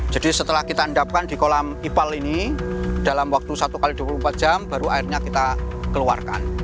jadi setelah kita endapkan di kolam ipal ini dalam waktu satu x dua puluh empat jam baru airnya kita keluarkan